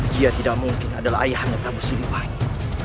dia tidak mungkin adalah ayahannya prabu siliwangi